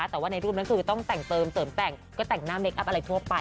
แต่ว่าในรูปนั้นคือต้องแต่งเติมเสริมแต่งก็แต่งหน้าเคคอัพอะไรทั่วไป